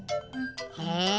へえ！